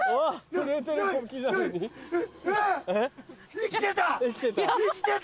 生きてた！